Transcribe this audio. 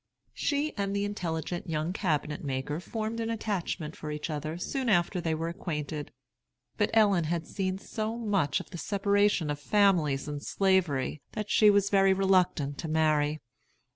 She and the intelligent young cabinet maker formed an attachment for each other soon after they were acquainted. But Ellen had seen so much of the separation of families in Slavery, that she was very reluctant to marry.